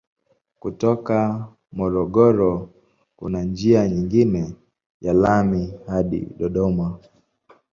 Kutoka Morogoro kuna njia nyingine ya lami hadi Dodoma.